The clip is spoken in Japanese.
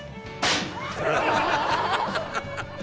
ハハハハ！